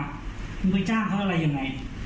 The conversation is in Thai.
มึงไปจ้างเขาอะไรยังไง